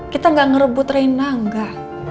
kita gak ngerebut rena enggak